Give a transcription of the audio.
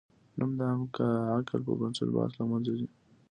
نو د عام عقل پر بنسټ بحث له منځه ځي.